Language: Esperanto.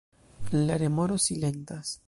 La remoro silentas.